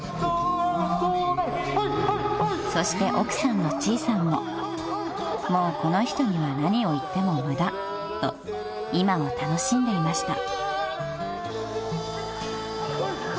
［そして奥さんのちーさんも「もうこの人には何を言っても無駄」と今を楽しんでいました］